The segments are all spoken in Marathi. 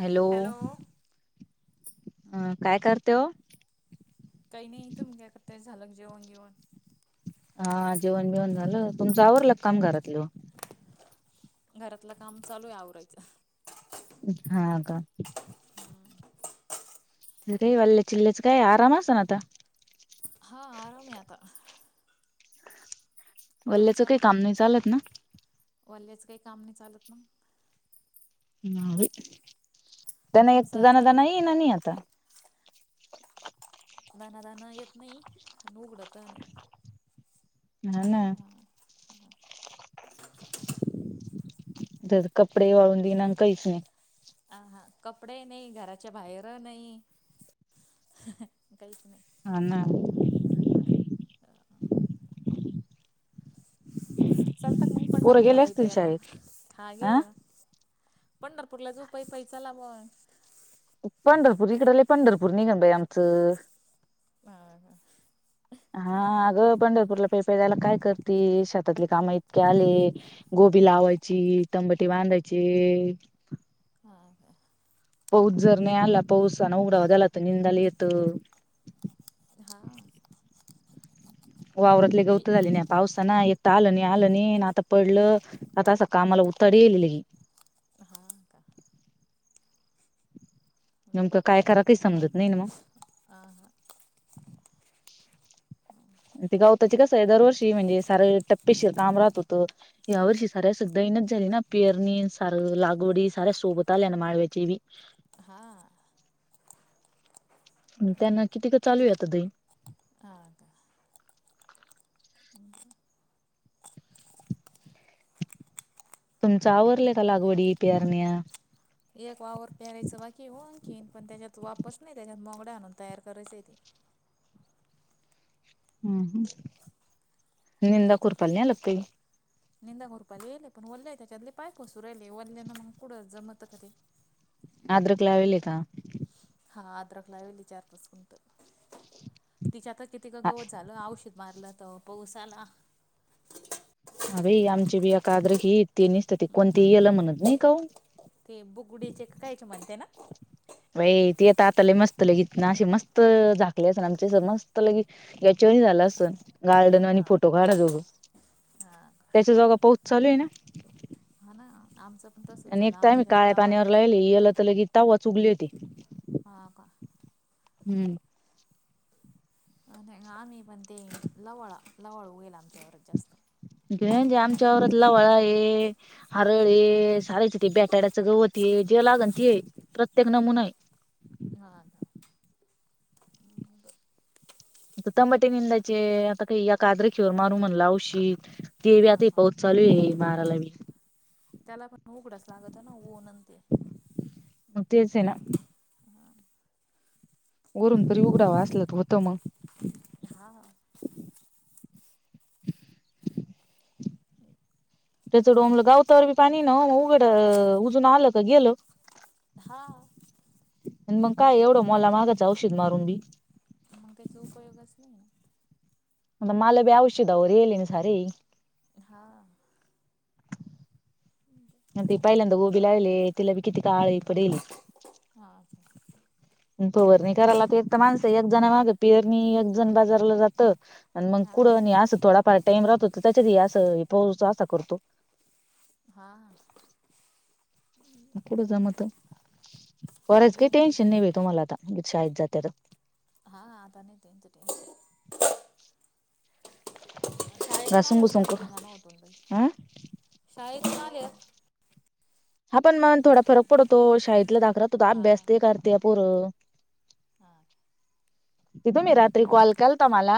हॅलो... हं... काय करतं वो? काही नाई... तुम्ही काय करताय? झालं जेवण बीवण? हा जेवण बिवन झालं, तुमच आवरलं का काम घरातल. घरातलं काम चालू आहे आवरायचं. हा हा का. दे वाले चिल्लेचं काय आराम असेल आता. हा आराम आहे आता. वल्याचं तुमचा काही काम नाही चालत ना वाल्याचं काही काम नाही चालत ना नाही त्यांना येत तुमचा दना चालू दना आहे? ये ना नाही आता दाना दाना येत नाही आणि उघडत नाही ह ना हा. तर कपडे वाळून दिना कैस. अ ह कपडे नाही, घराच्या बाहेर नाही, काहीच नाही. हा ना. [unintelligible] चलता का मग पोरं पंढरपूरला गेले पैय असतील पैय आता शाळेत हा गेले ना. पंढरपूरला जाऊ पैय पैय चला बुवा. पंढरपूर इकडंला पंढरपूर निघण बाय आमचं. हा ह. हा अगं पंढरपूरला पैय पैय जायला काय करती शेतातले काम इतके आले गोबी लावायची तंबाटी बांधायची हा हा. पाऊस जर नाही आला पाऊस ना उघडावर गेला तर निंदा नय येत हा. वावरातले गौत झाले हा ना. पाऊसा ना येता आलं नाही आलं नाही आता पडलं आता असं कामाला उतारी अलेलीये. हो का. नेमकं काय करा ते समजत नाही ना मग. आ हा. ते गावताची कसं हाय दरवर्षी म्हणजे सार टप्पेशीर काम राहत होतं. या वर्षी साऱ्या सुद्धा दैनच झाली ना, पेरणी सार लागवडी साऱ्या सोबत आल्या ना, माळव्याची बी हा. त्यांना किती का चालू हा का. [unintelligible] तुमचं आवरलंय का लागवडी प्यारण्या एक वावर पेरायचं बाकी आहे आणखीन पण त्याच्यात वापच नाही त्याच्यात मोड आणून तयार करायचं आहे तेे हं. अणं तेच्यात निंदा घोरपाले पण वल्ले त्याच्यातले पाय पुसू रायले वल्ल्यांना मग कुठं जमत तरी आद्र क लावेले का? हा अद्रक लावेली चार पाच गुंठ तिच्यात आता किती गवत झालं औषध मारलं तवा पऊस आला. हा बाई आमची बि आद्रक हि तिन्हीच ते कोणती येल म्हणत नाय का हो. ते बुगुडीचे कायचे म्हणते ना. बाई त येत आता ल मस्त लगीत ना अ मस्त झाकले अस ना आम मस्त ल याच्या वानी झाल असं गार्डन आणि हां फोटो काढा जोग. हां त्याच्या जोगा पाऊस चालू आहे ना आमचा आणि एक त मी काळ्या पाण्यावर लाहिले याल तर लगी तवाच उगली होती. ह का हम्म. आम्ही पण ते लवाळा, लवाळ उगेल आमच्या वावरात जास्त. जे म्हणजे आमच्यावरात लवळा आहे. हां हरळे, सारायच ते बेटाड्याचं गवते जे लागन त प्रत्येक नमुना आहे. हा का. मग.. आता टमाटे निंदायचे आता काही या कादरेखीवर मारू म्हणलं औषीध. ते बी हां आता हां पाऊस चालू आहे माराला बी. त्याला पण उघडच लागत ना उन्ह अन ते. म तेच हे ना. हा.. वरून तरी उघडावा असल तर होतं मग. हा.. त्याच डोमलं गावतावर बी पाणी न म उघडं उजून आलं का गेल. हा. आण मग काय एवढं मोला मागाच औषध मारून बी. मग त्याचा उपयोगच नाही ना. मला बी औषीधा वर येल आहे ना सारे. हा. ती पहिल्यांदा गोभी लावली तिला बी किती काळी पडेलये. हां. फवारणी करायला तर एक तर माणसं एक जण माग पिअरणी, एक जण बाजारला जात. मग हा कुठं आणि हा असं थोडाफार टाईम राहतो तर त्याच्यात अस पाऊस असा करतो. हा.. कुठ जमत बराच काही टेन्शन नाही तुम्हाला आता शाळेत जाते तर. हा आता नाही त्यांच टेन्शन. शाळेतून घासून आल्यावर घुसून गंज धिंगाणा होतोन बाई हा शाळेतून आल्यावर हा पण मग थोडा फरक पडतो शाळेतला धाक राहतो तर हा अभ्यास ते करत्या पोर. हा. ते तुम्ही रात्री कॉल केल तर मला,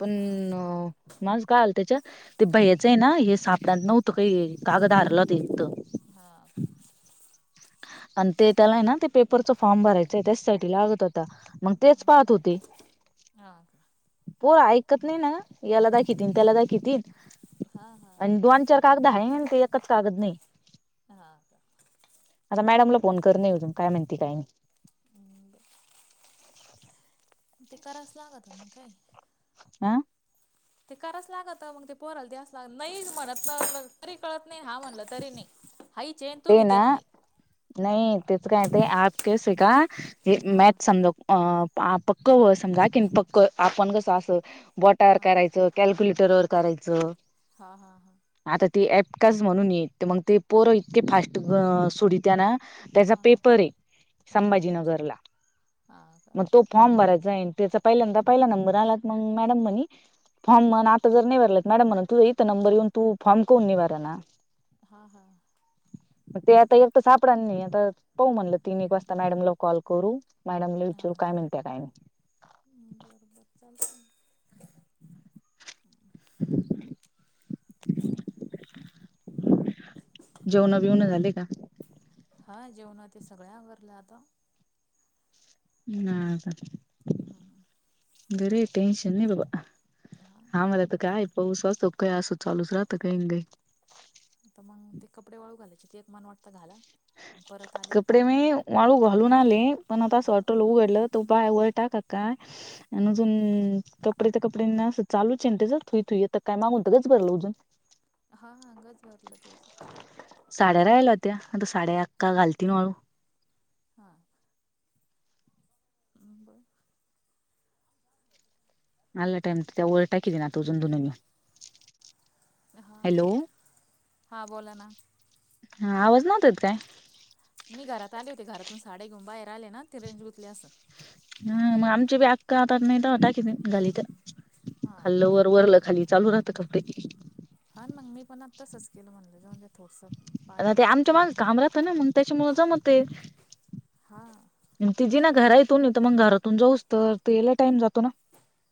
पण माझ काय आल त्याच्यात? ते भयाचं आहे ना हे सापड नव्हतं काही कागद हारलं ते हा.. आणि ते त्याला ना ते पेपरच फॉर्म भरायचं आहे त्याचसाठी लागत होता. मग तेच पाहात होते. हा.. पोर ऐकत नाही ना याला दाखितीन त्याला दाखितीन हा हा अं दोन, चार कागदा हाय ना ते एकच कागद नाही. हां. आता मॅडमला फोन करण आहे अजून काय म्हणती, काय नाही. हम्म. ते कराचं लागत काय. आ? ते कराच लागत मग ते पोरला द्यायचं लाग नाही म्हणत न न तरी कळत नाही हा म्हणलं तरी नाही हाईचे ते तूम्ही ना देत नाही. नाही तेच काय ते आज केस आहे का हे हा मॅथ समज अ पक्क व समजा कीन पक्क आपण कसं असं बोटावर हा. करायचो कॅल्क्युलेटरवर करायचं. हा हा हा. आता ते ऍपकाज म्हणून येत मग ते पोरं इतके फास्ट सोडित्या ना त्याचा हा हा पेपर आहे हा संभाजीनगरला हा हा हा का मग तो फॉर्म भरायचा त्याचा पहिल्यांदा पहिला नंबर आला मग मॅडम म्हणे हा फॉर्म हा. तू जर नाही भरला मॅडम म्हणल तु इथं नंबर येऊन तू फॉम काहून नाही भरणा हा हा. मग ते आता एक तर सापड नाही आता पाहू म्हणलं तीन एक वाजता मॅडमला कॉल करू. मॅडमला हा विचारू काय म्हणतात काय नई. बरं बरं चालत. [inaudible] जेवणा बिवण झाले का? हा जेवण ते सगळ्यां आवरला आता. हा का बरे टेन्शन नाही बाबा. हा. आम्हाला तर काय पाऊस असतो काय असो चालूच राहत काही न काही. तर मग ते कपडे वाळू घालायचे ते मन वाटतं घाला. परत आले कपडे काढा. मी वाळू घालून आले पण आता असं वाटलं उघडलं तो बाय वळ टाका का हा आणि अजून कपडे त कपडे असं चालूच ये ना तेच थुईथुईता काय मागून गच्च भरलं होतं. हा हा गच्च भरलं तेच. साड्या राहिल्या होत्या आता साड्या अक्का घालती वाळू. हा. [inaudible] आला टाइम तर. [unintelligible] हा हा बोला ना. हा आवाज नव्हता येत काय. मी घरात आले होते घरातून साड्या घेऊन बाहेर आले ना ते रेंज गुंतले असन. हा मग आमचे बी अक्का आता नाही टाकी घिलित तर हा. खाल्ल वर. वरलं खाली चालू राहत कपडे. हा मग मी पण आत्ताच केलं म्हणलं जाऊ द्या थोडसं. आल पाणी ते तुटले आमच्या माग होते. काम राहत ना मग त्यांच्यामुळे जमते. हा. ति जिना घराये तुन तर मग घरातून जाऊस तर ते लई टाईम जातो ना.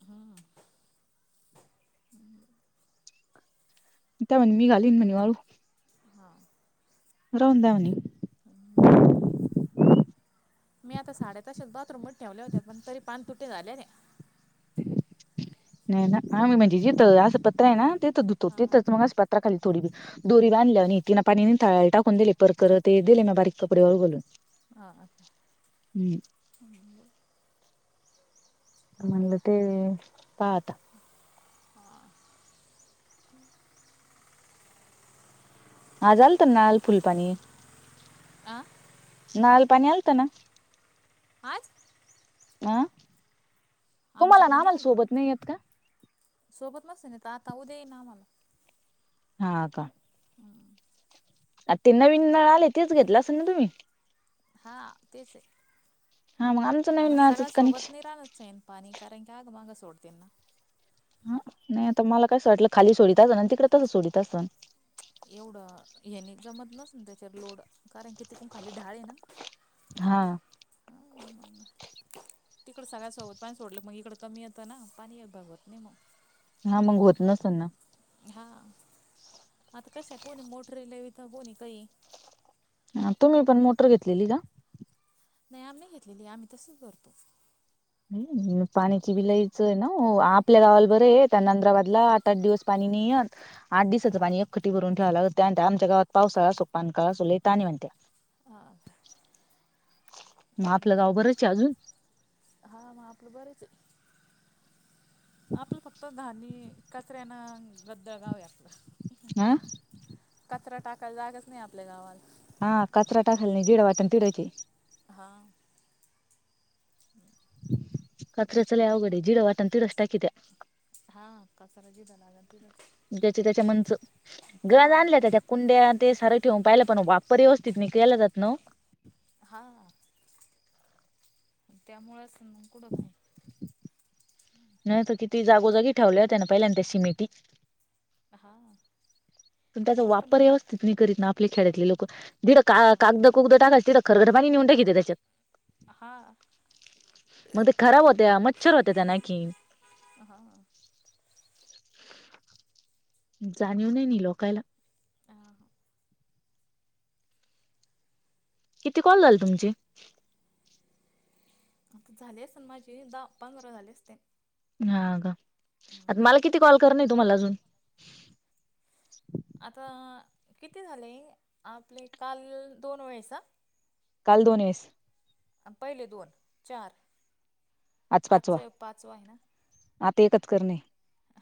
हा. [inaudible] त्या म्हण मी घालीन म्हणे वाळू. हा. राहून द्या म्हणली. बर मी आता साड्या तशाच बाथरूमच ठेवल्या होत्या पण तरी पान तुटे झालेने ते. नाही ना आम्ही म्हणजे जथ असं पत्र आहे ना तेथचधुतो हा तेथच मग असं पत्र खाली थोडी बी. दोरी बांधल्या आणि ति ना पाणी निथळा टाकून दिले परकर ते दिले म बारीक कपडे व घलून. हा हा, हम्म. हम्म-हम्म बोल. म्हणलं ते पाहा आता. हा, आज आलंत ना नळाल फुल पाणी. आ नाल पाणी आलत ना. आज आ तुम्हाला न आमच्याकडं नाही आम्हाल आला सोबत नाई येत का? सोबत नसेन त आका उद्या येईन आम्हाला. हा का, आ ते नवीन नळ आले तेच घेतलं असे ना तुम्ही. हा तेच आहे हा मग आमचं नवीन पण सगळ्या नळाचंच कनेक्शन सोबत नाही राहणार चैन. पाणी कारण की आग मांगा सोडतेन ना. हा नाही आता मला कसं वाटलं खाली सोडीत असन आणि तिकडे तसं सोडत असन. एवढं ह्याने जमत नसल त्याच्यार लोड कारण की ते कोण खाली ढाळे हे ना. हा, तिकडं सगळ्या सोबत पाणी सोडलं मग इकडं कमी येतं ना पाणी हे भगवत नाही म. ना मग घोत नसलं ना. हा आता कशा कोणी मोटरी लावीता कोणी काही. हां तुम्ही पण मोटर घेतलेली का? नाही आम नई घेतलेली आम्ही तसंच भरतो. अंहं पाण्याची बि लईचये ना वो आपल्या गावाला बरंये त्या नंद्राबादला. ताठ दिवस पाणी नाही यात. आठ दिसचं हां पाणी एकख्खटी भरून ठेवा लागत त्या म्हंत्या आमच्या गावात पावसाळा असो पानकाळा असो लई ताण ए म्हणत्या. हा काय. म आपलं गाव बरंचे अजून. हां म आपलं बरंचे हाय. आपलं फक्त घाणी कचऱ्यान अन गद्दा गाव आहे आपलं. हा कचरा टाकायला जागाच नाही आपल्या गावााल. हा कचरा टाकाल नाही जिढ वाटल तिढचंये. हा, [inaudible] कचऱ्याच लई अवघडे जीढ वाटन तीढच टाकीत्या. हां कचरा जीढ लागल तीढच. ज्याच्या त्याच्या मनचं गद आणल्या त्या. कुंड्यांन ते सारं ठेवून पाहिलं पण वाप्पर यवस्थित नाही केला जात ना वो. हा, त्यामुळेंच मग कुढ काय. नाही आता किती जागोजागी ठेवल्या होत्या ना पहिल्यान त्या सिमिटी. हा, पण त्याचा वापर यवस्थित नई करीत ना आपले खेड्यातले लोक दिढ हां का-कागद. कुगदं टाकायल तीढ खरकट पाणी निवुन टाकीत्या त्याच्यात. हां म ते खराब होत्या मच्छर होत्या त्यान आंखी. हां. जाणीव नई नी लोकायला. आ ह किती कॉल झाल तुमचे? आता झाले असेन माझे दा पंधरा झाले असतीन. हां गा आत माला किती कॉल करनय तुम्हाला अजून? आता किती झाले? आपले काल दोन वेळेस आ काल दोन वेळेस अनं पहिले दोन चार आज आजच पाचवा ह्यो पाचवा आय ना आता एकच करणे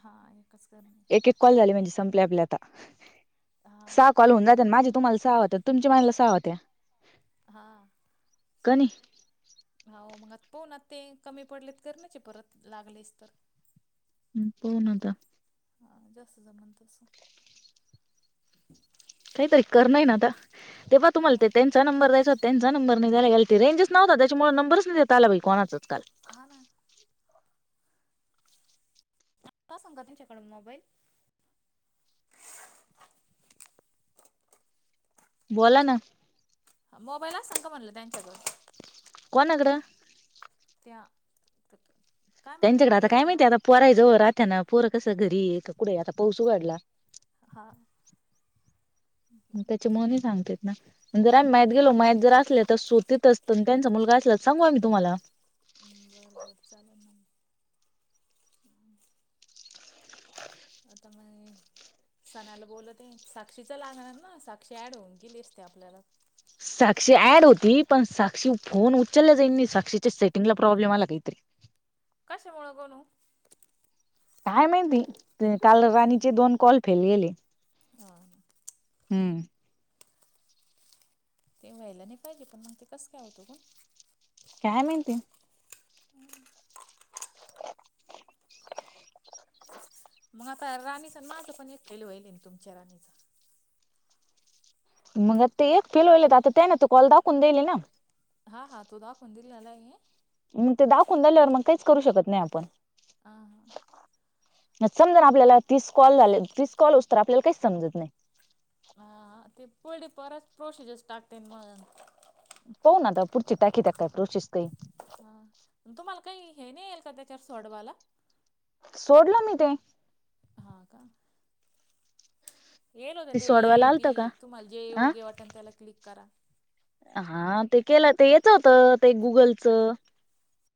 हा एकच करनय एक एक कॉल झाले म्हणजे संपले आपले आता हां सहा कॉल होऊन जात्यानं माझे तुम्हाला सहा त तुमचे मायला सहा होत्या हा- कणी हाव मंग आत पहूंनात ते कमी पडलेत करणचे ये परत लागलेच तर हं पहून न आता हा जास्त जमण तस काहीतरी करन ये ना आता ते पा हां तुम्हाला ते तें चा नंबर द्यायचा होत त्यांचा नंबर नाही द्यायला घ्यायला ते रेंजच नव्हता त्याच्यामुळे नंबरच नाही देता आला बाई कोणाचाच काल हा ना तासनच्याकड मोबाईल बोला ना मोबाईल आसन का म्हणलं त्यांच्याकड कोणाकड? त्या काय म्हणला त्यांच्याकडे तुम्ही आता काय त्यांच नाव माहिती आता पोराय जवळ राहत्या ना पोर कसं घरी ये का कुड ये आता पाऊस उघाडला. हा मं त्याच्यामुळं नाय सांगता येत ना पण जर आम्ही मळ्यात गेलो मळ्यात जर असल्याच त्या सोतीत असत न त्यांचां मुलगा असला त सांगू आम्ही तुम्हाला बरं बरं चालल ना म हं आता माये सणाला बोलते साक्षीच लागणार न, साक्षी ॲड होऊन गेली असती आपल्याला साक्षी ऍड होती पण साक्षी फोन उचलल्या जाईन नाई साक्षीच्या सेटिंगला प्रॉब्लेम आला काहीतरी कशामुळं कमून ओ काय माहिती ते काल राणीचे दोन कॉल फेल गेले. आ ना हम्म ते व्हायला नाय पाहिजे पण मंग ते कसं काय होतो पण काय माहिती [unintelligible] [inaudible] मंग आता राणीचं माझं पण एक फेल वहिलेन तुमच्या राणीचं मंग आता ते एक फेल व्हायले आता त्या न त कॉल दाखवून देयले ना हा हा तो दाखवून दिलेला ये. मग ते दाखवून झाल्यावर मग काहीच करू शकत नाही आपण. ह, हा. समजा ना आपल्याला तीस कॉल झाले, तीस कॉल हुसतर आपल्याला काहीच समजत नाही. हाहा ते, पर्ढ परत प्रोसिजर टाकस्तेण मग. हो ना आता पुढची टाकी टाकाय प्रोसेस काही. हा, तुम्हाला काही हे नाही आलं का त्याच्यावर सोडवाला. सोडलं मी ते. हां का. केल ती होतं ए, सोडवायला आलत बी का तुम्हाला जे अ योगी वाटन त्याला क्लिक करा. हा ते केलं ते याच होतं ते गुगलचं.